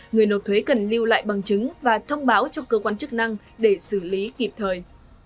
người nộp thuế cần lưu lại bằng chứng và thông báo cho cơ quan chức năng để xử lý kịp thời